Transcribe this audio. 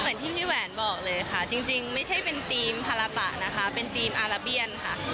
เหมือนที่พี่แหวนบอกเลยค่ะจริงไม่ใช่เป็นทีมพาราตะนะคะเป็นทีมอาราเบียนค่ะ